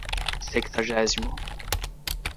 sexagésimo